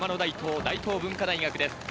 大東文化大学です。